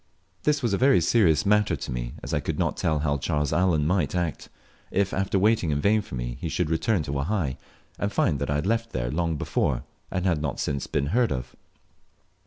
This was a very serious matter to me, as I could not tell how Charles Allen might act, if, after waiting in vain for me, he should return to Wahai, and find that I had left there long before, and had not since been heard of.